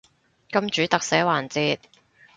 金主特寫環節